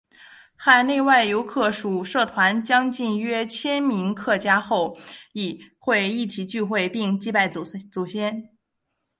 海内外客属社团将近约千名客家后裔会一起聚会并祭拜祖先。